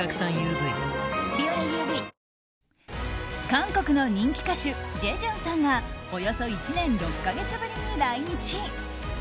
韓国の人気歌手ジェジュンさんがおよそ１年６か月ぶりに来日。